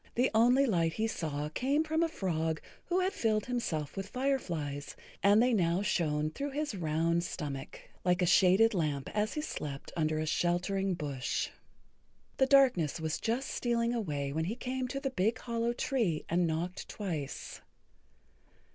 The only light he saw came from a frog who had filled himself with fireflies, and they now shone through his round stomach like a shaded lamp as he slept under a sheltering bush. The darkness was just stealing away when he came to the big hollow tree and knocked twice.